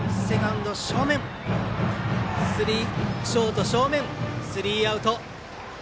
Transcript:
ショート正面、スリーアウト。